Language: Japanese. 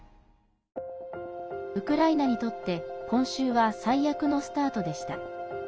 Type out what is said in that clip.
ウクライナにとって今週は最悪のスタートでした。